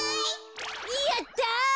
やった！